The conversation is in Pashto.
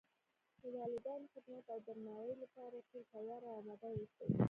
د والدینو خدمت او درناوۍ لپاره تل تیار او آماده و اوسئ